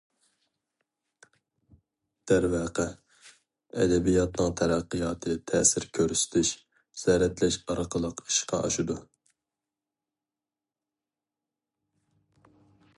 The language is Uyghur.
دەرۋەقە، ئەدەبىياتنىڭ تەرەققىياتى-تەسىر كۆرسىتىش، زەرەتلەش ئارقىلىق ئىشقا ئاشىدۇ.